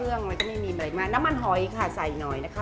มันก็ไม่มีอะไรมากน้ำมันหอยค่ะใส่หน่อยนะคะ